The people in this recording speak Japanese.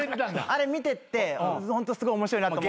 あれ見ててホントすごい面白いなと。